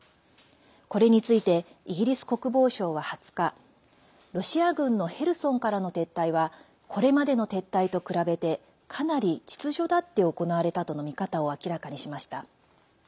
これについてイギリス国防省は２０日ロシア軍のヘルソンからの撤退はこれまでの撤退と比べてかなり秩序だって行われたとの見方を明らかにしました。